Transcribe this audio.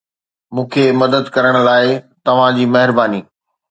مون کي مدد ڪرڻ لاء توهان جي مهرباني